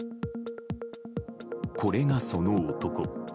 これが、その男。